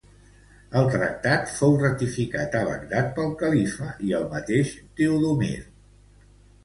El tractat fou ratificat a Bagdad pel Califa i el mateix Teodomir.